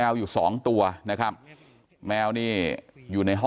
กลุ่มตัวเชียงใหม่